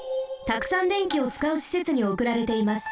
たくさん電気をつかうしせつにおくられています。